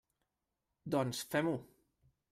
Doncs, fem-ho.